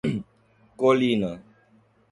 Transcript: Colina